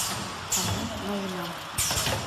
«А мый ноенам...»